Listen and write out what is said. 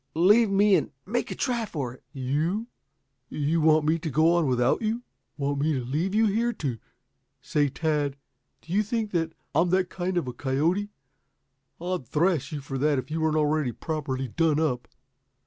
Leave me and make a try for it." "You you want me to go on without you? Want me to leave you here to Say, Tad, do you think I'm that kind of a coyote? I'd thrash you for that if you weren't already properly done up.